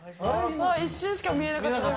一瞬しか見えなかった。